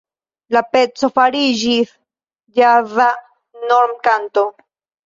La peco fariĝis ĵaza normkanto.